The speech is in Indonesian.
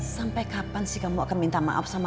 sampai kapan sih kamu akan minta maaf ya mbak